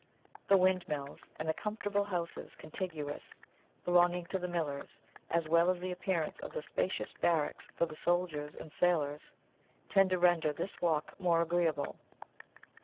The windmills, and the comfortable houses contiguous, belonging to the millers, as well as the appearance of the spacious barracks for the soldiers and sailors, tend to render this walk more agreeable.